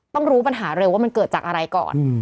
รู้ปัญหาเร็วว่ามันเกิดจากอะไรก่อน